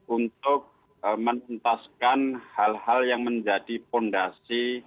untuk menuntaskan hal hal yang menjadi fondasi